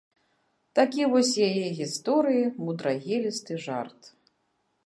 Такі вось яе, гісторыі, мудрагелісты жарт.